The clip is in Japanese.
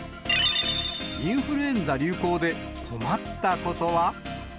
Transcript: インフルエンザ流行で困ったことは？